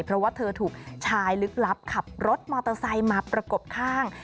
เพราะว่าเธอถูกชายลึกลับขับรถมอเตอร์ไซค์มาประกบข้าง